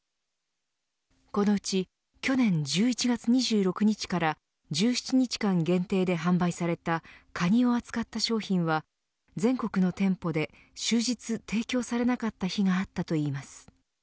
このうち去年１１月２６日から１７日間限定で販売されたカニを扱った商品は全国の店舗で終日提供されなかった日があったといいます。